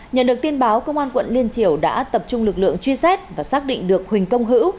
nhận được tin báo công an quận liên triều đã tập trung lực lượng truy xét và xác định được huỳnh công hữu